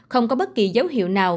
không có bất kỳ dấu hiệu nào